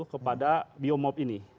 kepada biomob ini